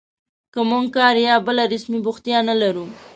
که موږ کار یا بله رسمي بوختیا نه لرو